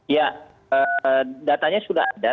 ya datanya sudah ada